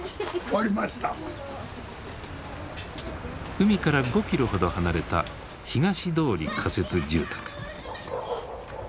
海から５キロほど離れた東通仮設住宅。